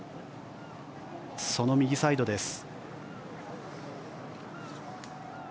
その右サイドです。